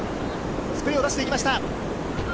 スプレーを出していきました。